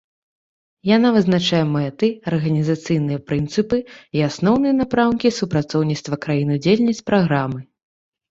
Яна вызначае мэты, арганізацыйныя прынцыпы і асноўныя напрамкі супрацоўніцтва краін удзельніц праграмы.